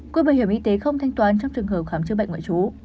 quỹ bảo hiểm y tế không thanh toán trong trường hợp khám chữa bệnh ngoại trú